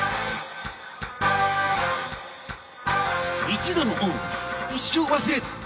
一度の恩一生忘れず。